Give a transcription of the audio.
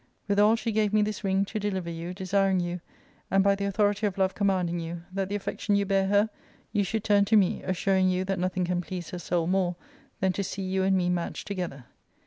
Withal she gave me this ring to deliver you, desiring you, and by the authority of love commanding you, that the affection you bare her you should turn to me, assuring you that nothing can please her soul more than to see you and me matched ^together.